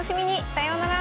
さようなら。